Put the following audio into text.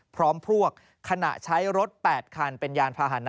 พร้อมพวกขณะใช้รถ๘คันเป็นยานพาหนะ